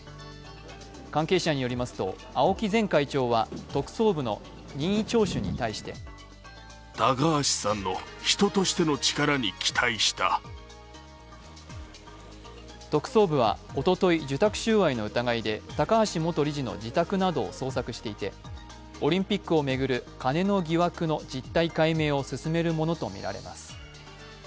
関係者によりますと、青木前会長は特捜部の任意聴取に対して特捜部は、おととい受託収賄の疑いで高橋元理事の自宅などを捜索していてオリンピックを巡るカネの疑惑の実態解明を進めるものとみられます。